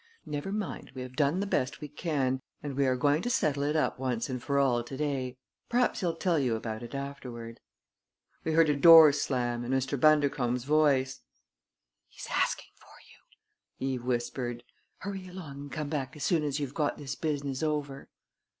"Never mind; we have done the best we can, and we are going to settle it up once and for all to day. Perhaps he'll tell you about it afterward." We heard a door slam and Mr. Bundercombe's voice. "He is asking for you," Eve whispered. "Hurry along and come back as soon as you've got this business over."